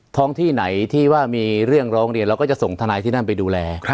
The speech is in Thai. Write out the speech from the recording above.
ที่ไหนที่ว่ามีเรื่องร้องเรียนเราก็จะส่งทนายที่นั่นไปดูแล